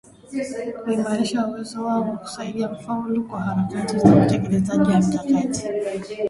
kuimarisha uwezo wao wa kusaidia kufaulu kwa harakati za utekelezaji wa mikakati